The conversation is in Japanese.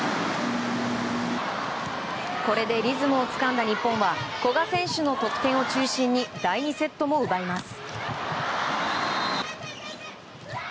これでリズムをつかんだ日本は古賀選手の得点を中心に第２セットも奪います。